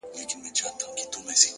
هوډ د شکونو دیوالونه کمزوري کوي.!